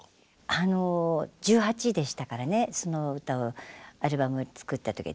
あの１８でしたからねそのアルバムを作った時は。